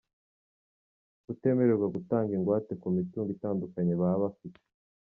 Kutemererwa gutanga ingwate ku mitungo itandukanye baba bafite.